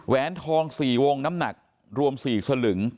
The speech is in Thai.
ทอง๔วงน้ำหนักรวม๔สลึง